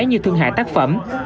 như thương hại tác phẩm